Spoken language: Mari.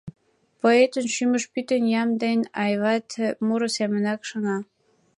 Поэтын шӱмыш пӱтынь ям ден айват муро семынак шыҥа.